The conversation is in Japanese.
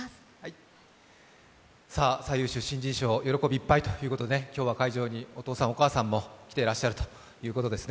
最優秀新人賞、喜びいっぱいということで今日は会場にお父さん、お母さんも来ていらっしゃるということです。